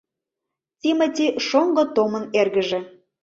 Тимоти — шоҥго Томын эргыже.